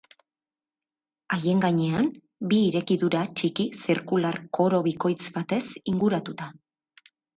Haien gainean, bi irekidura txiki zirkular koro bikoitz batez inguratuta.